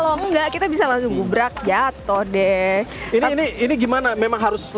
kemungkinan mis joker sama d accusation sehingga kayaknya aku sudah pada hari ini luar